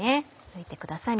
拭いてください